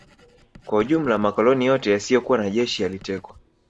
Kwa ujumla makoloni yote yasiyokuwa na jeshi yalitekwa